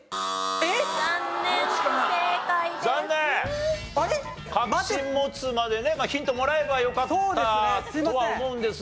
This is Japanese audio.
確信持つまでねヒントもらえばよかったとは思うんですが。